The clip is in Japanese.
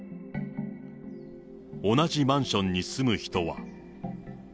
同じマンションに住む人は。